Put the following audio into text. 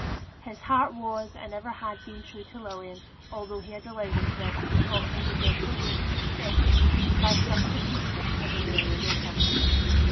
His heart was and ever had been true to Lilian, although he had allowed himself to be talked into declarations of affection by such a creature as Amelia Roper.